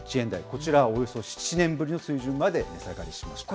こちらはおよそ７年ぶりの水準まで値下がりしました。